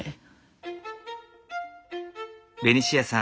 ベニシアさん